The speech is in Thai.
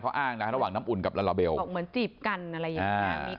เขาอ้างนะระหว่างน้ำอุ่นกับลาลาเบลบอกเหมือนจีบกันอะไรอย่างนี้